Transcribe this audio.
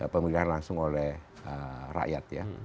pemilihan langsung oleh rakyat ya